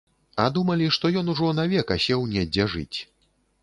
А думалі, што ён ужо навек асеў недзе жыць.